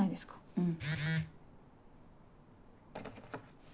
うん。